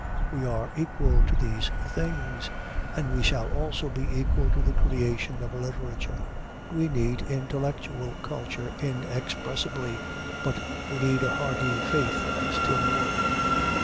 We are equal to these things; and we shall also be equal to the creation of a literature. We need intellectual culture inexpressibly, but we need a hearty faith still more.